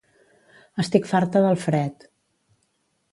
Estic farta del fred